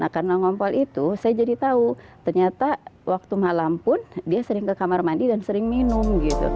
karena ngompol itu saya jadi tahu ternyata waktu malam pun dia sering ke kamar mandi dan sering minum